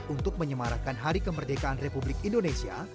untuk menyemarakan hari kemerdekaan republik indonesia